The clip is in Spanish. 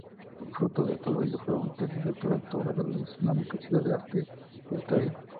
Fruto de todo ello fue su tesis doctoral, "Toledo islámico: ciudad, arte e historia".